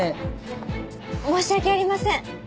申し訳ありません。